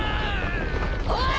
・おい！